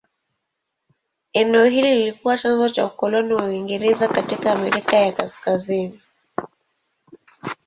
Eneo hili lilikuwa chanzo cha ukoloni wa Uingereza katika Amerika ya Kaskazini.